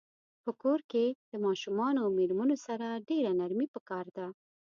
په کور کښی د ماشومانو او میرمنو سره ډیره نرمی پکار ده